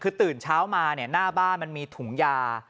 คือตื่นเช้ามาหน้าบ้านมันมีถุงยา